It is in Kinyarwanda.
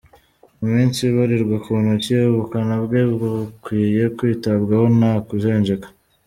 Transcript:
Mu minsi ibarirwa ku ntoki ubukana bwe bukwiye kwitabwaho nta kujenjeka.